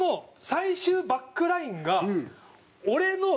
最終バックラインが。